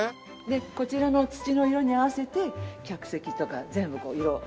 でこちらの土の色に合わせて客席とか全部こう色合わせたんですね。